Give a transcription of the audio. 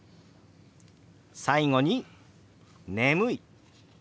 最後に「眠い」。